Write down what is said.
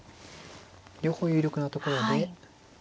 両方有力なところで。